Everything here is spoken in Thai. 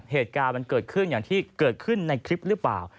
เหตุการณ์มันเกิดขึ้นอย่างที่เกิดขึ้นในคลิปหรือเปล่า